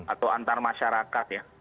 atau antar masyarakat ya